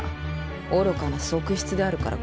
愚かな側室であるからか？